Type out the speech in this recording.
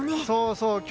そう、そう。